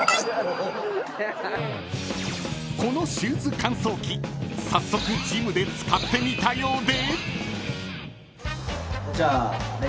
［このシューズ乾燥機早速ジムで使ってみたようで］